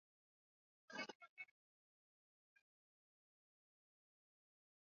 bali mtu atakayezitenda na kuzifundisha huyo ataitwa mkubwa katika ufalme wa mbinguni